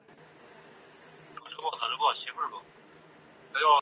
凤凰寺位于湖南省怀化市沅陵县沅江南岸的凤凰山上。